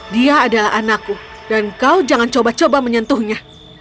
dia adalah anakku dan kau jangan coba coba menyentuhnya